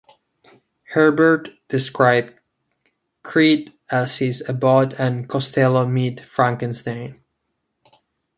Herbert described "Creed" as his "Abbott and Costello Meet Frankenstein".